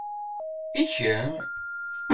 I kemm?